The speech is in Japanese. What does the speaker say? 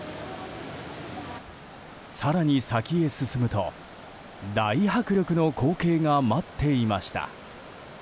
更に先へ進むと大迫力の光景が待っていました。